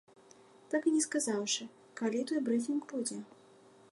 Так і не сказаўшы, калі той брыфінг будзе.